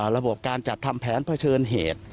ระบบการจัดทำแผนเผชิญเหตุ